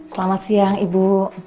selamat siang ibu